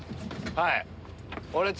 はい。